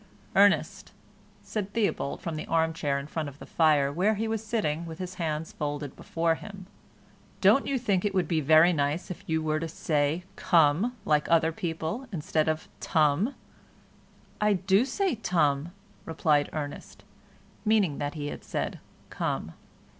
"Ernest," said Theobald, from the arm chair in front of the fire, where he was sitting with his hands folded before him, "don't you think it would be very nice if you were to say 'come' like other people, instead of 'tum'?" "I do say tum," replied Ernest, meaning that he had said "come."